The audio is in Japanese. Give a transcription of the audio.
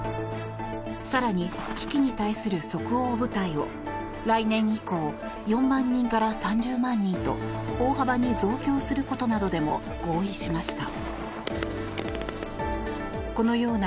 更に危機に対する即応部隊を来年以降４万人から３０万人と大幅に増強することなどでも合意しました。